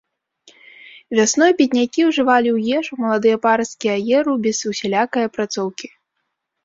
Вясной беднякі ўжывалі ў ежу маладыя парасткі аеру без усялякай апрацоўкі.